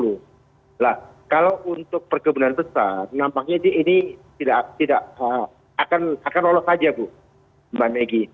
nah kalau untuk perkebunan besar nampaknya ini tidak akan lolos saja bu mbak meggy